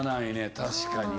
確かにね。